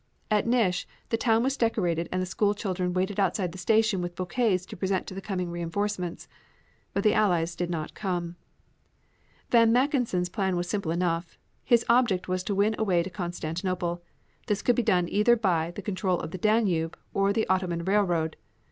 At Nish the town was decorated and the school children waited outside the station with bouquets to present to the coming reinforcements. But the Allies did not come. Von Mackensen's plan was simple enough. His object was to win a way to Constantinople. This could be done either by the control of the Danube or the Ottoman Railroad.